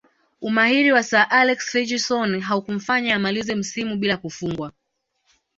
Umahiri wa Sir Alex Ferguson haukumfanya amalize msimu bila kufungwa